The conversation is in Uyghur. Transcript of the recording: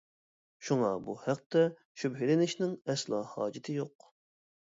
شۇڭا بۇ ھەقتە شۈبھىلىنىشنىڭ ئەسلا ھاجىتى يوق.